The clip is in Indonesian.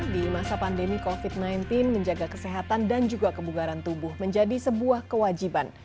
di masa pandemi covid sembilan belas menjaga kesehatan dan juga kebugaran tubuh menjadi sebuah kewajiban